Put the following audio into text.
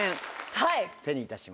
はい。